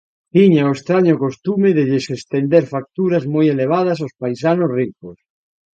Tiña o estraño costume de lles estender facturas moi elevadas aos paisanos ricos.